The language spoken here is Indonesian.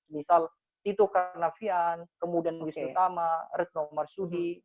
misal tito karnavian kemudian wisnu tama retno marsudi